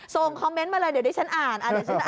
ส่งคอมเมนต์มาเลยเดี๋ยวดิฉันอ่าน